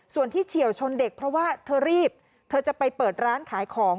ส่วนที่เฉียวชนเด็กเพราะว่าเธอรีบเธอจะไปเปิดร้านขายของ